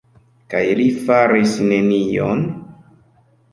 Kaj li faris nenion?